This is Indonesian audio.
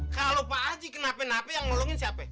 kalau pak haji kenapa napa yang nolongin siapa